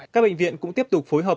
các bệnh viện cũng tiếp tục phối hợp